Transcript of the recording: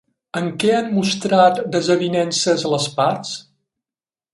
En què han mostrat desavinences les parts?